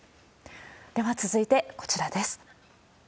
では続いて、こちらです。